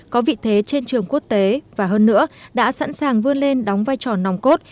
có vị thế trên trường quốc tế và hơn nữa đã sẵn sàng vươn lên đóng vai trò nòng cốt